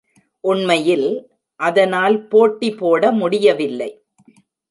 உண்மையில், அதனால் போட்டி போட முடியவில்லை.